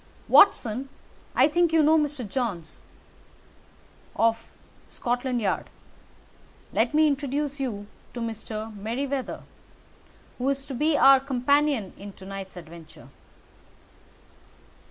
"Watson, I think you know Mr. Jones, of Scotland Yard? Let me introduce you to Mr. Merryweather, who is to be our companion in to night's adventure."